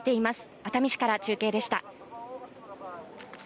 熱海市から中継でした。